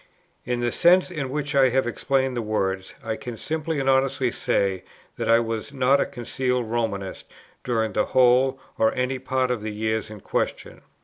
"In the sense in which I have explained the words, I can simply and honestly say that I was not a concealed Romanist during the whole, or any part of, the years in question.